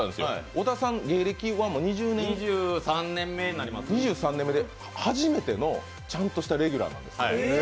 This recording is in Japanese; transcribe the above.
小田さん、芸歴は２３年目で初めてのちゃんとしたレギュラーなんですよ。